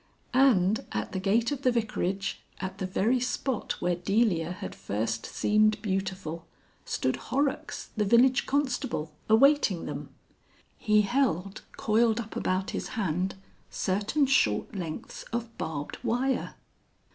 And at the gate of the Vicarage, at the very spot where Delia had first seemed beautiful, stood Horrocks the village constable, awaiting them. He held coiled up about his hand certain short lengths of barbed wire.